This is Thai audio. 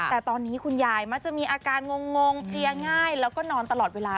แต่ตอนนี้คุณยายมักจะมีอาการงงเพลียง่ายแล้วก็นอนตลอดเวลา